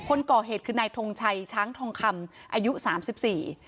คนก่อเหตุคือนายทงชัยช้างทองคำอายุสามสิบสี่